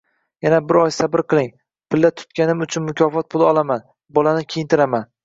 Yana bir oy sabr qiling. Pilla tutganim uchun mukofot puli olaman, bolani kiyintiraman.